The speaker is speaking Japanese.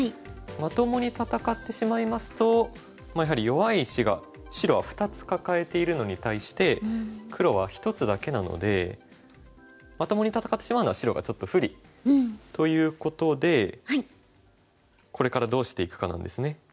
まともに戦ってしまいますとやはり弱い石が白は２つ抱えているのに対して黒は１つだけなのでまともに戦ってしまうのは白がちょっと不利ということでこれからどうしていくかなんですね。